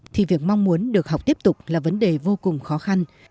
thì việc mong muốn được học tiếp tục là vấn đề vô cùng khó khăn